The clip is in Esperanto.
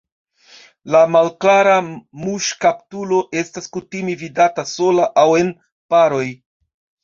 La Malklara muŝkaptulo estas kutime vidata sola aŭ en paroj.